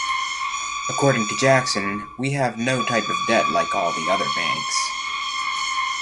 According to Jackson: we have no type of debt, like all the other banks.